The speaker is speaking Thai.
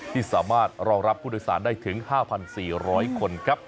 ที่สามารถรองรับผู้โดยสารได้ถึง๕๔๐๐คนครับ